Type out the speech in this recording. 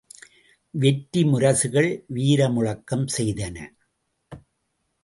வெற்றி முரசுகள் வீர முழக்கம் செய்தன!